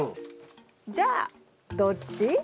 じゃあどっち？